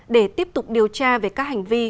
để tiếp tục điều tra về các hành vi